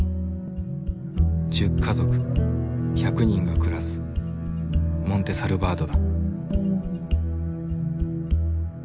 １０家族１００人が暮らすモンテ・サルバードだ。